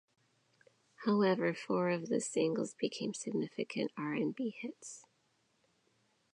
However, four of the singles became significant R and B hits.